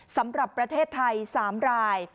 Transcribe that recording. สำหรับประเทศไทย๓ราย